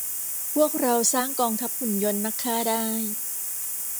พวกเราสร้างกองทัพหุ่นยนต์นักฆ่าได้